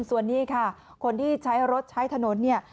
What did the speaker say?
ส่วนนี้ค่ะคนที่ใช้รถใช้ถนนเนี่ย